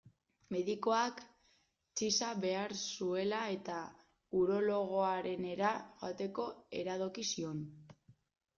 Medikuak, txiza behar zuela-eta, urologoarenera joateko iradoki zion.